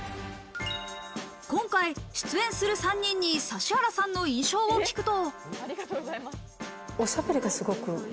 今回、出演する３人に指原さんの印象を聞くと。